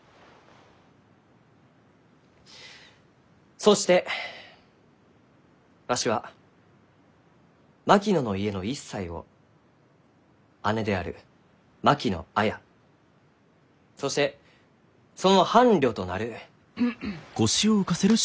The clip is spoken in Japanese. そしてわしは槙野の家の一切を姉である槙野綾そしてその伴侶となる。